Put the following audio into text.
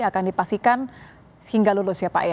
akan dipastikan hingga lulus ya pak ya